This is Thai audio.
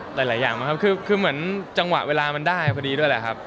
หลายอย่างมากครับคือเหมือนจังหวะเวลามันได้พอดีด้วยแหละครับ